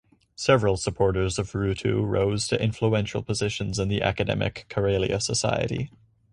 Several supporters of Ruutu rose to influential positions in the Academic Karelia Society.